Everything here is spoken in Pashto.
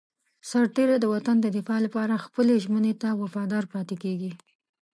سرتېری د وطن د دفاع لپاره خپلې ژمنې ته وفادار پاتې کېږي.